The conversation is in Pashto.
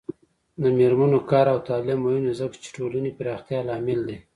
د میرمنو کار او تعلیم مهم دی ځکه چې ټولنې پراختیا لامل دی.